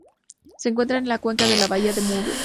Se encuentran en la cuenca de la bahía de Mobile.